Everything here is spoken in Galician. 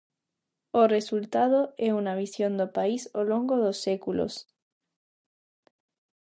O resultado é unha visión do país ao longo dos séculos.